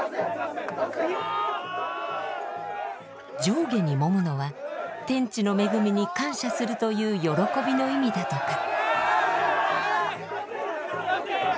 上下にもむのは天地の恵みに感謝するという喜びの意味だとか。